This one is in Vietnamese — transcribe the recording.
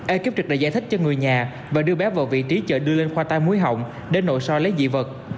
ekip trực đã giải thích cho người nhà và đưa bé vào vị trí chợ đưa lên khoa tai muối hỏng để nội so lấy dị vật